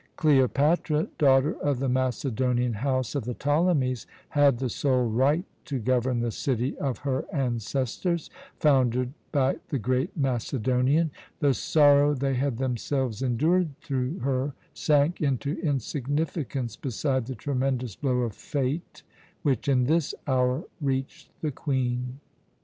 Cleopatra, daughter of the Macedonian house of the Ptolemies, had the sole right to govern the city of her ancestors, founded by the great Macedonian. The sorrow they had themselves endured through her sank into insignificance beside the tremendous blow of Fate which in this hour reached the Queen.